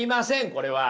これは。